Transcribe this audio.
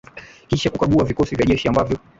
kisha kukagua vikosi vya jeshi ambavyo